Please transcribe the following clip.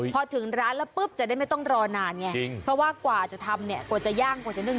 พอถึงร้านแล้วปุ๊บจะได้ไม่ต้องรอนานไงเพราะว่ากว่าจะทำเนี่ยกว่าจะย่างกว่าจะนึ่ง